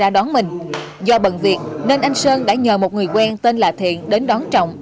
do bận việc nên anh sơn đã nhờ một người quen tên là thiện đến đón trọng